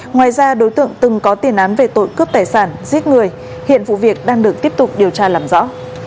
ngoài ra đối tượng từng có tiền án về tội cướp tài sản giết người hiện vụ việc đang được tiếp tục điều tra làm rõ